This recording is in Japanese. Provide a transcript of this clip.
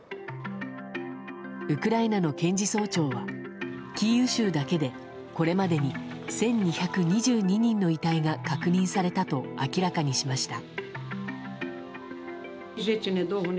ウクライナの検事総長はキーウ州だけでこれまでに１２２２人の遺体が確認されたと明らかにしました。